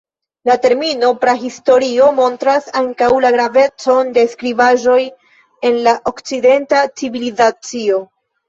La termino prahistorio montras ankaŭ la gravecon de skribaĵoj en la okcidenta civilizacio.